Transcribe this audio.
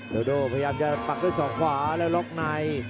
โดพยายามจะปักด้วยศอกขวาแล้วล็อกใน